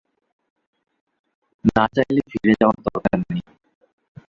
না চাইলে, ফিরে যাওয়ার দরকার নেই।